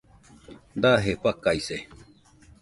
Daje fakaise